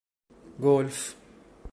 گلف